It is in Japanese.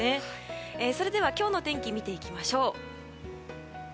今日の天気、見ていきましょう。